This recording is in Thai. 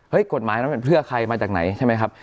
กฎหมายนั้นเป็นเพื่อใครมาจากไหนใช่ไหมครับ